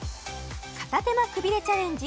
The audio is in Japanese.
片手間くびれチャレンジ